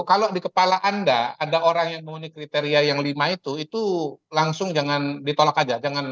kalau di kepala anda ada orang yang memenuhi kriteria yang lima itu itu langsung jangan ditolak aja